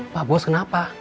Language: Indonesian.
pak bos kenapa